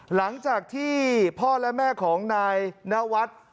หลังจากที่พ่อและแม่ของนายนวัฒน์